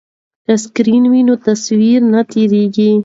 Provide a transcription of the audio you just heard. که سکرین وي نو تصویر نه تیریږي.